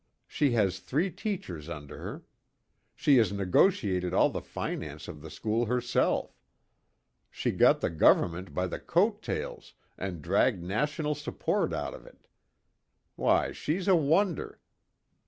She has three teachers under her. She has negotiated all the finance of the school herself. She got the government by the coat tails and dragged national support out of it. Why, she's a wonder.